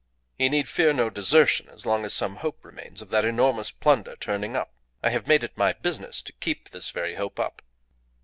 He need fear no desertion as long as some hope remains of that enormous plunder turning up. I have made it my business to keep this very hope up."